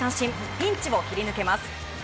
ピンチを切り抜けます。